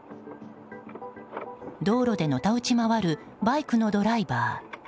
道路でのたうち回るバイクのドライバー。